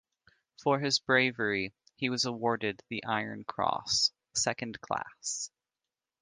For his bravery, he was awarded the Iron Cross, second class.